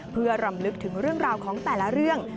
เพื่อรำลึกถึงเรื่องราวของแต่ละเรื่อง